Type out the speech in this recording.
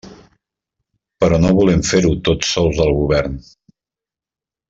Però no volem fer-ho tot sols al Govern.